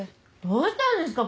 どうしたんですか？